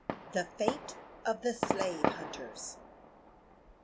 THE FATE OF THE SLAVE HUNTERS.